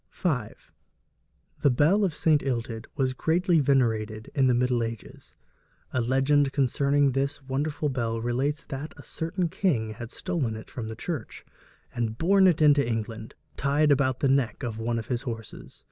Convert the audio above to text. V. The bell of St. Illtyd was greatly venerated in the middle ages. A legend concerning this wonderful bell relates that a certain king had stolen it from the church, and borne it into England, tied about the neck of one of his horses.